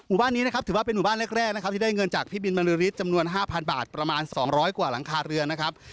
หมู่บ้านนี้นะครับถือว่าเป็นหมู่บ้านแรกนะครับที่ได้เงินจากพี่บินบรรลือฤทธิ์จำนวน๕๐๐บาทประมาณ๒๐๐กว่าหลังคาเรือนนะครับ